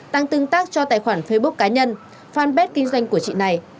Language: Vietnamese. đang tương tác cho tài khoản facebook cá nhân fanpage kinh doanh của chị này